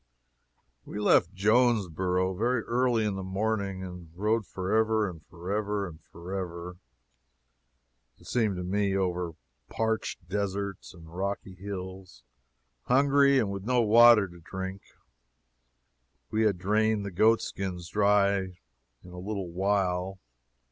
We left Jonesborough very early in the morning, and rode forever and forever and forever, it seemed to me, over parched deserts and rocky hills, hungry, and with no water to drink. We had drained the goat skins dry in a little while.